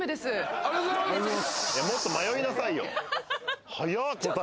もっと迷いなさいよはやっ